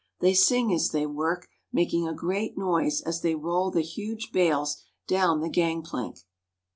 They sing as they work, making a great noise as they roll the huge bales down the gang plank.